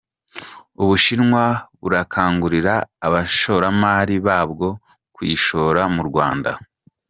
U Bushinwa burakangurira abashoramari babwo kuyishora mu Rwanda